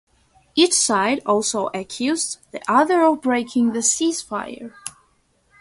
Each side also accused the other of breaking the ceasefire.